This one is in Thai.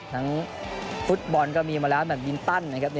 ฟุตบอลก็มีมาแล้วแบบมินตันนะครับ